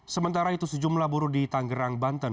sementara itu sejumlah buruh di tanggerang banten